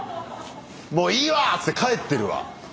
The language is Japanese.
もういいわ！って帰ってるわ。